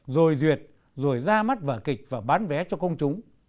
rồi duyệt rồi ra mắt vở kịch và bán vé cho công chúng